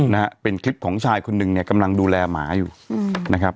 นะฮะเป็นคลิปของชายคนหนึ่งเนี่ยกำลังดูแลหมาอยู่อืมนะครับ